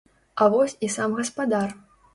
А вось і сам гаспадар.